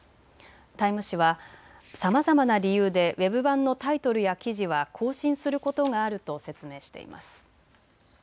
タイム誌はさまざまな理由でウェブ版のタイトルや記事は更新することがあると説明しています。